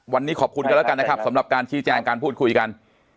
วันนี้ขอบคุณกันแล้วกันนะครับสำหรับการชี้แจงการพูดคุยกัน